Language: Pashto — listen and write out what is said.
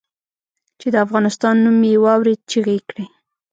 چې د افغانستان نوم یې واورېد چیغې یې کړې.